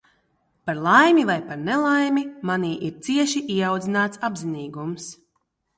Par laimi vai par nelaimi, manī ir cieši ieaudzināts apzinīgums.